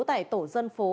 tại tổ dân phố